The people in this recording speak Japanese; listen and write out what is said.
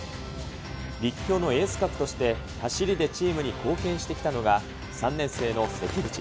立教のエース格として走りでチームに貢献してきたのが、３年生の関口。